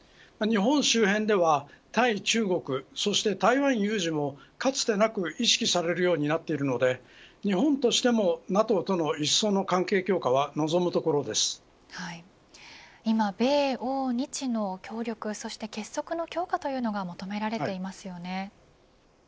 日本周辺では対中国そして台湾有事をかつてなく意識されるようになっているので日本としてもＮＡＴＯとのいっそうの関係強化は今、米欧日の協力と結束の強化というのが求められていますよね。